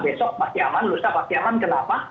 besok masih aman lusa masih aman kenapa